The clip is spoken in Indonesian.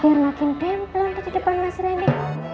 biar makin tempel di depan mas rally